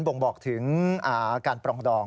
บ่งบอกถึงการปรองดอง